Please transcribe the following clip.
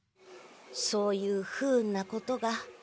そういう不運なことが。